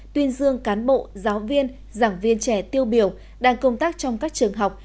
tuyên dương cán bộ giáo viên giảng viên trẻ tiêu biểu đang công tác trong các trường học